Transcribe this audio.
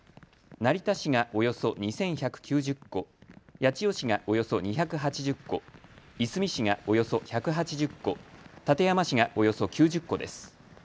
成田市がおよそ２１９０戸、八千代市がおよそ２８０戸、いすみ市がおよそ１８０戸、館山市がおよそ９０戸です。